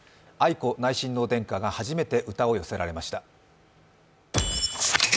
愛子内親王殿下が初めて歌を寄せられました。